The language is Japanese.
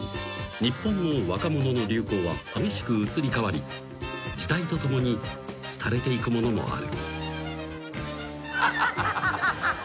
日本の若者の流行は激しく移り変わり時代とともに廃れていくものもある］